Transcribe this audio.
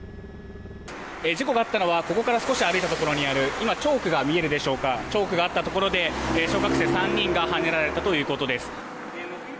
事故があったのはここから少し歩いたところにある今、チョークがあったところで小学生３人がはねられたということです。